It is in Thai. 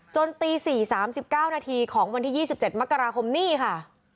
จนตีสี่สามสิบเก้านาทีของวันที่ยี่สิบเจ็ดมกราคมนี่ค่ะ